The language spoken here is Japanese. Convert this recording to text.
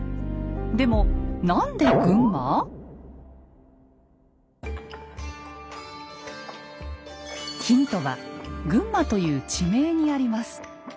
でもヒントは「群馬」という地名にあります。